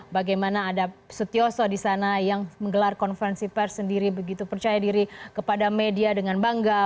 bagaimana ada setioso di sana yang menggelar konferensi pers sendiri begitu percaya diri kepada media dengan bangga